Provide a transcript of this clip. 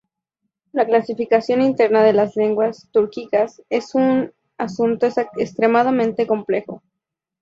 La clasificación interna de las lenguas túrquicas es un asunto extremadamente complejo.